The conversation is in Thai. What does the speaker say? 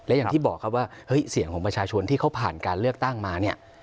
อย่างที่บอกครับว่าเฮ้ยเสียงของประชาชนที่เขาผ่านการเลือกตั้งมาเนี่ย